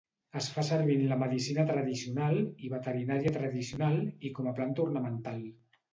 Es fa servir en la medicina tradicional i veterinària tradicional i com planta ornamental.